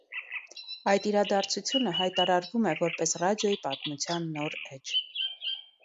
Այդ իրարձությունը հայտարարվում է, որպես «ռադիոյի պատմության նոր էջ»։